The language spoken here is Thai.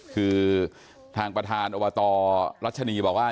คือทางประธานอบตรัชนีบอกว่า